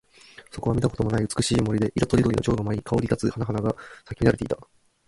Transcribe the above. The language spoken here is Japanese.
そこは見たこともない美しい森で、色とりどりの蝶が舞い、香り立つ花々が咲き乱れていた。